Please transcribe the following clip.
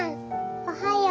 おはよう。